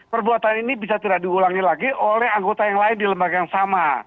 perbuatan ini bisa tidak diulangi lagi oleh anggota yang lain di lembaga yang sama